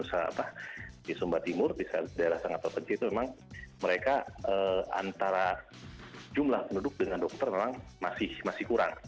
di sumba timur di daerah sangat terpencil itu memang mereka antara jumlah penduduk dengan dokter memang masih kurang